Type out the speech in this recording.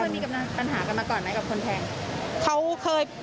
มีปัญหากันมาก่อนไหมกับคนแทง